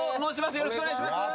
よろしくお願いします。